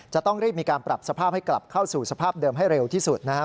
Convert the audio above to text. จะต้องรีบมีการปรับสภาพให้กลับเข้าสู่สภาพเดิมให้เร็วที่สุดนะครับ